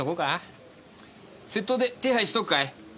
窃盗で手配しとくかい？